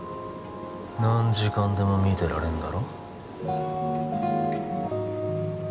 何時間でも見てられんだろ？